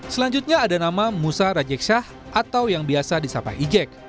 selanjutnya ada nama musa rajeksyah atau yang biasa disapa ijek